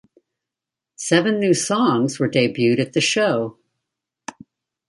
Seven new songs were debuted at the show.